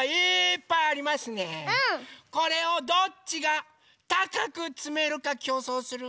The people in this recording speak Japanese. これをどっちがたかくつめるかきょうそうする？